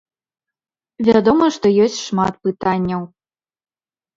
Вядома, што ёсць шмат пытанняў.